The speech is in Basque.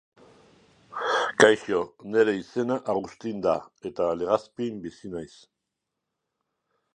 Zazpi aldiz parte hartu du Nafarroako txapelketetan.